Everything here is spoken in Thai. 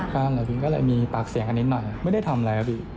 ก็เลยมีปากเสี่ยงอันนี้หน่อยไม่ได้ทำอะไรอ่ะ